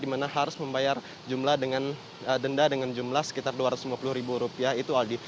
di mana harus membayar denda dengan jumlah sekitar dua ratus lima puluh ribu rupiah itu aldi